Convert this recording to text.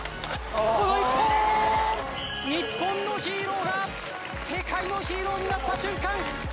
日本のヒーローが世界のヒーローになった瞬間。